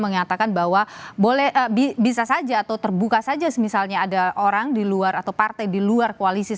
mengatakan bahwa boleh bisa saja atau terbuka saja misalnya ada orang di luar atau partai di luar koalisi